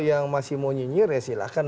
yang masih mau nyinyir ya silahkan